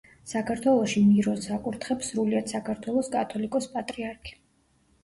საქართველოში მირონს აკურთხებს სრულიად საქართველოს კათოლიკოს-პატრიარქი.